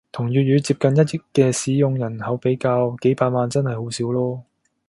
同粵語接近一億嘅使用人口比較，幾百萬真係好少囉